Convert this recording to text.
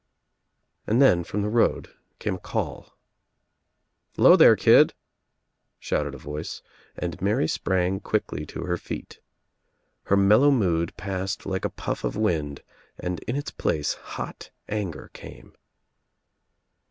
And then from the road came a call. "Hello there kid," shouted a voice, and Mary sprang quickly to her feet. Her mellow mood passed like a pufi of wind and in its place hot anger came.